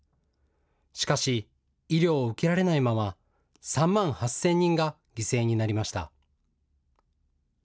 しかし、医療を受けられないまま３万８０００人が犠牲になりました。